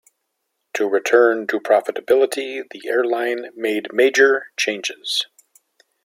To return to profitability, the airline made major changes.